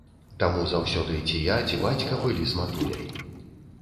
Таму заўсёды ці я, ці бацька былі з матуляй.